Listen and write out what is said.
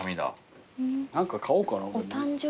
何か買おうかな。